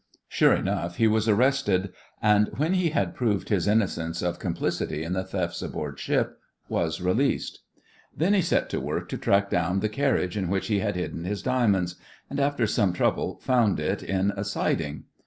Sure enough he was arrested and, when he had proved his innocence of complicity in the thefts aboard ship, was released. Then he set to work to track down the carriage in which he had hidden his diamonds, and after some trouble found it in a siding.